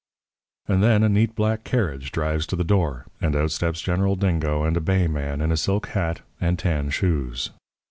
"And then a neat black carriage drives to the door, and out steps General Dingo and a bay man in a silk hat and tan shoes.